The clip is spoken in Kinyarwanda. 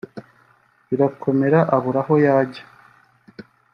birakomera abura aho yajya